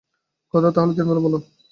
কথাটা তাহলে দিনের বেলা বল।